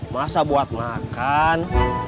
masa buat makan